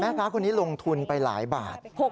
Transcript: ค้าคนนี้ลงทุนไปหลายบาท